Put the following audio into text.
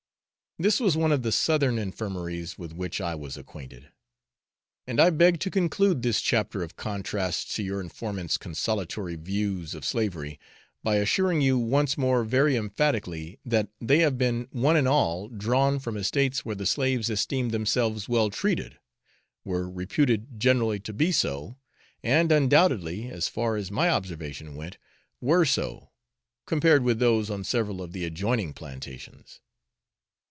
This was one of the Southern infirmaries with which I was acquainted; and I beg to conclude this chapter of contrasts to your informant's consolatory views of slavery, by assuring you once more very emphatically that they have been one and all drawn from estates where the slaves esteemed themselves well treated, were reputed generally to be so, and undoubtedly, as far as my observation went, were so, compared with those on several of the adjoining plantations.